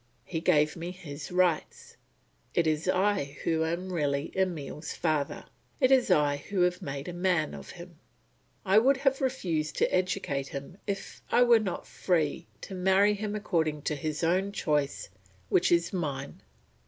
He gave me his rights; it is I who am really Emile's father; it is I who have made a man of him. I would have refused to educate him if I were not free to marry him according to his own choice, which is mine.